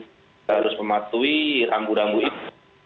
kita harus mematuhi rambu rambu itu